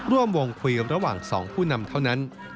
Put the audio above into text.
ร่วมวงคุยกันระหว่าง๒ผู้นำเท่านั้น